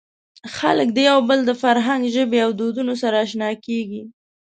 خلک د یو بل د فرهنګ، ژبې او دودونو سره اشنا کېږي.